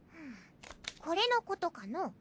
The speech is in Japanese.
これのことかのう。